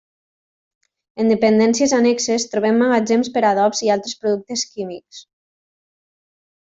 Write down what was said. En dependències annexes, trobem magatzems per als adobs i altres productes químics.